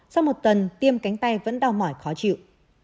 sau một tuần tiêm cánh tay vẫn đau mỏi khó chịu